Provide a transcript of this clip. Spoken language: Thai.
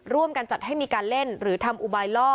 ร่วมกันจัดให้มีการเล่นหรือทำอุบายล่อ